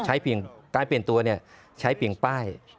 ใช้เปลี่ยนการเปลี่ยนตัวเนี่ยใช้เปลี่ยนป้าย